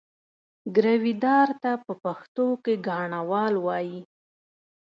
ګرويدار ته په پښتو کې ګاڼهوال وایي.